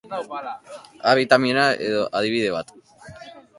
A bitamina eda adibide bat.